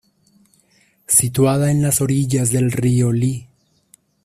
Situada en las orillas del río Li.